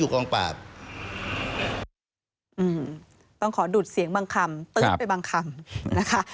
กองปราบต้องขอดูดเสียงบางคำตื๊ดไปบางคำนะคะ